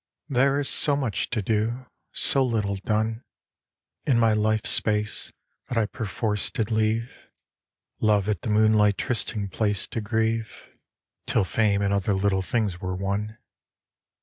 There is so much to do, so little done. In my life's space that I perforce did leave Love at the moonlit trysting place to grieve IS3 154 TO A DISTANT ONE Till fame and other little things were won.